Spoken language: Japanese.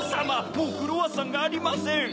もうクロワッサンがありません！